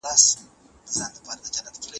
که ګلونه وکرو نو مچۍ نه وږې کیږي.